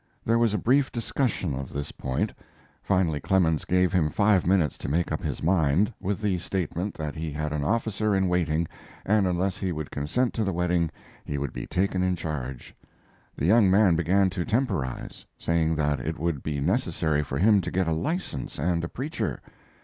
There was a brief discussion of this point. Finally Clemens gave him five minutes to make up his mind, with the statement that he had an officer in waiting, and unless he would consent to the wedding he would be taken in charge. The young man began to temporize, saying that it would be necessary for him to get a license and a preacher.